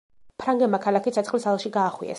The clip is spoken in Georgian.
ფრანგებმა ქალაქი ცეცხლის ალში გაახვიეს.